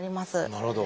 なるほど。